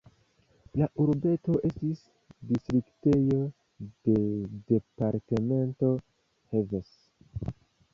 La urbeto estis distriktejo de departemento Heves.